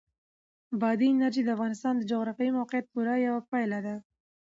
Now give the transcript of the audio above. بادي انرژي د افغانستان د جغرافیایي موقیعت پوره یوه پایله ده.